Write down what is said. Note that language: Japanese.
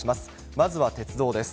まずは鉄道です。